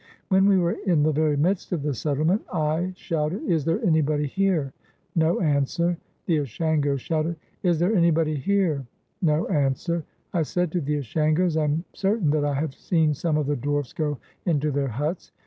When we were in the very midst of the settlement I shouted, "Is there anybody here?" No answer. The Ashangos shouted, "Is there anybody here?" No an swer. I said to the Ashangos, "I am certain that I have seen some of the dwarfs go into their huts."